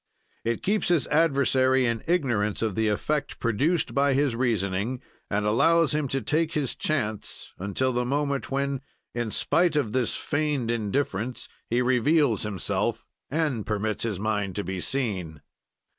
"It keeps his adversary in ignorance of the effect produced by his reasoning and allows him to take his chance, until the moment when, in spite of this feigned indifference, he reveals himself and permits his mind to be seen.